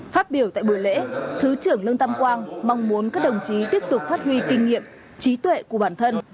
phát biểu tại buổi lễ thứ trưởng lương tâm quang mong muốn các đồng chí tiếp tục phát huy kinh nghiệm trí tuệ của bản thân